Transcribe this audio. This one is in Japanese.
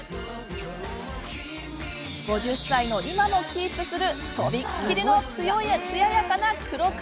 ５０歳の今もキープするとびきりのつややかな黒髪。